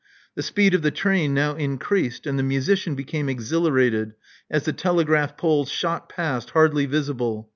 The speed of the train now increased ; and the musician became exhil arated as the telegfraph poles shot past, hardly visible.